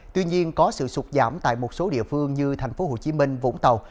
tuy nhiên có sự sụt giảm tại một số địa phương như tp hcm vũng tàu